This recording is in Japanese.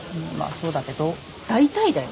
そうだけど大体だよ